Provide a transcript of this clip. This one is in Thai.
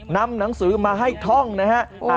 นำหนังสือมาให้ท่องนะฮะ